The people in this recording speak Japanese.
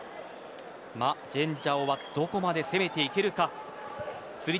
マ・ジェンジャオがどこまで攻めていけるか。